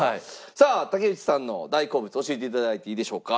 さあ竹内さんの大好物教えていただいていいでしょうか。